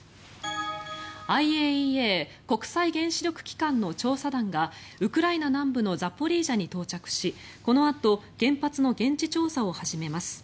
ＩＡＥＡ・国際原子力機関の調査団がウクライナ南部のザポリージャに到着しこのあと原発の現地調査を始めます。